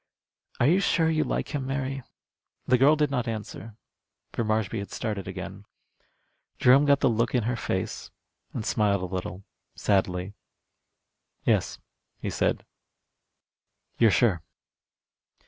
Are you sure you like him, Mary?" The girl did not answer, for Marshby had started again. Jerome got the look in her face, and smiled a little, sadly. "Yes," he said, "you're sure."